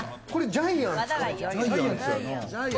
ジャイアンツ？